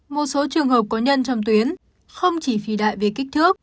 một số trường hợp có nhân trong tuyến không chỉ phì đại về kích thước